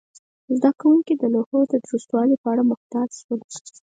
زده کوونکي د لوحو د درستوالي په اړه محتاط شول.